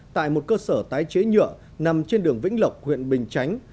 tại một cơ sở tái chế nhựa nằm trên đường vĩnh lộc huyện bình chánh